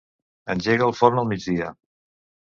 Engega el forn al migdia.